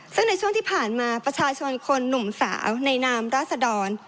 ซึ่งในช่วงที่ผ่านมาประชาชนคนหนุ่มสาวในนามราษดร